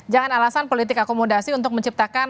jangan alasan politik akomodasi untuk menciptakan